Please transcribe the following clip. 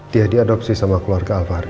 dia diadopsi sama keluarga alfari